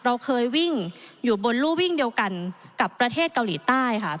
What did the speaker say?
เราเคยวิ่งอยู่บนรูวิ่งเดียวกันกับประเทศเกาหลีใต้ค่ะ